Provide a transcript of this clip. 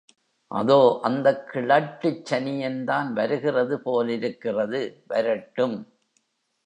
அதோ அந்தக் கிழட்டுச் சனியன்தான் வருகிறது போலிருக்கிறது, வரட்டும்.